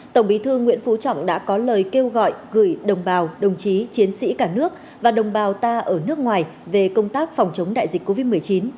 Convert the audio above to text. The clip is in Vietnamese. tổng bí thư nguyễn phú trọng đã có lời kêu gọi gửi đồng bào đồng chí chiến sĩ cả nước và đồng bào ta ở nước ngoài về công tác phòng chống đại dịch covid một mươi chín